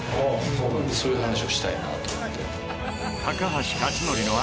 そういう話をしたいなと思って。